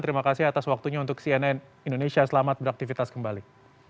terima kasih atas waktunya untuk cnn indonesia selamat beraktivitas kembali